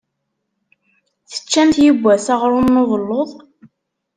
Teččamt yewwas aɣṛum n ubelluḍ?